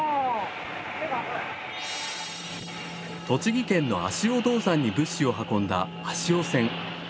栃木県の足尾銅山に物資を運んだ足尾線。